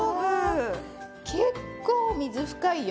結構水深いよ。